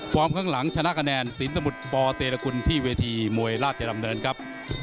ข้างหลังชนะคะแนนสินสมุทรปเตรกุลที่เวทีมวยราชดำเนินครับ